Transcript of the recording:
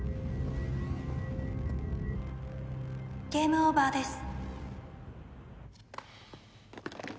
ゲームオーバーです。